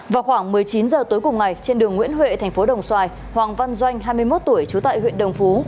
vào khoảng một mươi chín h tối cùng ngày trên đường nguyễn huệ thành phố đồng xoài hoàng văn doanh hai mươi một tuổi trú tại huyện đồng phú